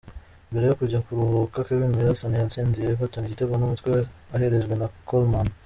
Mbere yo kujya kuruhuka, Kevin Mirallas yatsindiye Everton igitego n’umutwe aherejwe na Coleman.